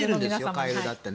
カエルだって。